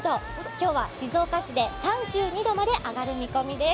今日は静岡市で３２度まで上がる見込みです。